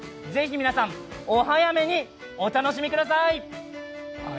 ぜひ皆さん、お早めにお楽しみください。